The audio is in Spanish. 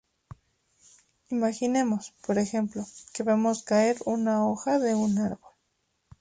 Imaginemos, por ejemplo, que vemos caer una hoja de un árbol.